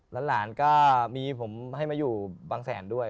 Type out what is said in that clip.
หลานก็มีผมให้มาอยู่บางแสนด้วย